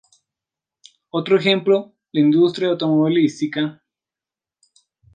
Otro ejemplo: la industria automovilística.